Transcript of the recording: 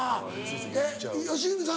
えっ良純さん